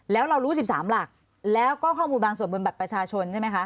แล้วเรารู้๑๓หลักแล้วก็ข้อมูลบางส่วนบนบัตรประชาชนใช่ไหมคะ